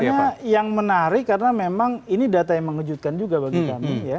sebenarnya yang menarik karena memang ini data yang mengejutkan juga bagi kami ya